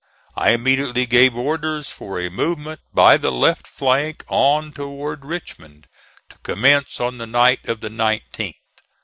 I immediately gave orders for a movement by the left flank, on towards Richmond, to commence on the night of the 19th.